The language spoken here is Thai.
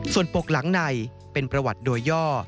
ส่วนปกหลังในเป็นประวัติโดยย่อ